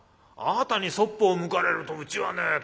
あなたにそっぽを向かれるとうちはね